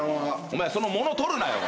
お前その物取るなよ。